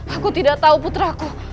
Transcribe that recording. aku tidak tahu putraku